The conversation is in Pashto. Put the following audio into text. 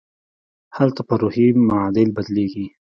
هلته پر روحي معادل بدلېږي.